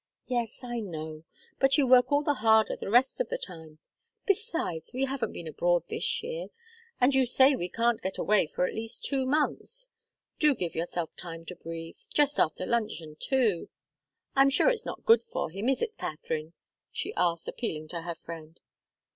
"Yes I know. But you work all the harder the rest of the time. Besides, we haven't been abroad this year, and you say we can't get away for at least two months. Do give yourself time to breathe just after luncheon, too. I'm sure it's not good for him, is it Katharine?" she asked, appealing to her friend.